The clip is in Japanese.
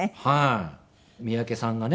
三宅さんがね